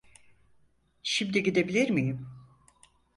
Şimdi gidebilir miyim?